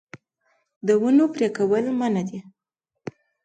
د ونو پرې کول منع دي